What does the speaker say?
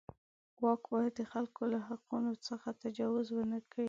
واک باید د خلکو له حقونو څخه تجاوز ونه کړي.